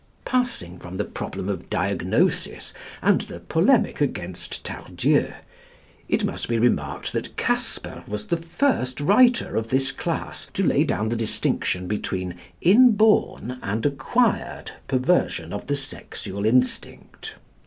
Passing from the problem of diagnosis and the polemic against Tardieu, it must be remarked that Casper was the first writer of this class to lay down the distinction between inborn and acquired perversion of the sexual instinct.